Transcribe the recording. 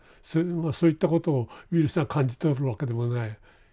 そういったことをウイルスが感じ取るわけでもない。